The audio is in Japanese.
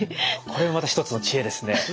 これもまた一つの知恵ですね。